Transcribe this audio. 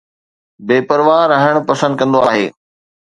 بي پرواهه رهڻ پسند ڪندو آهي